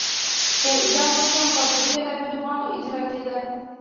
د اعدام حکم به په بېلابېلو بڼو اجرا کېده.